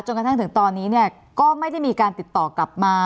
กระทั่งถึงตอนนี้เนี่ยก็ไม่ได้มีการติดต่อกลับมา